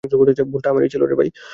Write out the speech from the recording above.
ভুলটা আমারই ছিল।